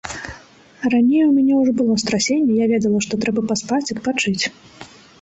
Раней у мяне ўжо было страсенне, я ведала, што трэба паспаць, адпачыць.